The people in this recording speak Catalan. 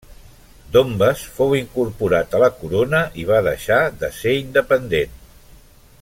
Dombes fou incorporat a la corona i va deixar de ser independent.